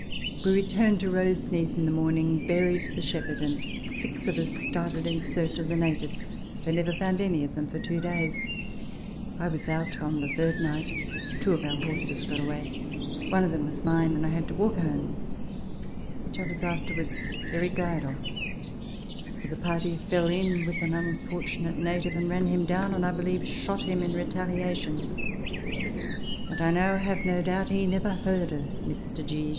We returned to Rosencath in the morning, buried the shepherd, and six of us started in search of the natives, but never found any of them for two days. I was out on the third night ; two of our horses got away; one of them was mine, and I had to Avalk home, which I was afterwards very glad of, for the party fell in with an unfortunate native and ran him down, and I believe shot him in retaliation (and I now have no doubt he never heard of Mr. G.'